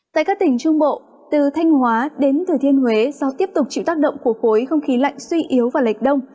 tại các tỉnh trung bộ từ thanh hóa đến thừa thiên huế do tiếp tục chịu tác động của khối không khí lạnh suy yếu và lệch đông